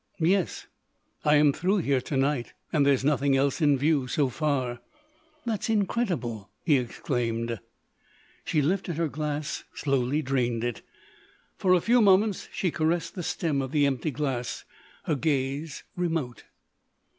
"Yes, I am through here to night, and there's nothing else in view, so far." "That's incredible!" he exclaimed. She lifted her glass, slowly drained it. For a few moments she caressed the stem of the empty glass, her gaze remote.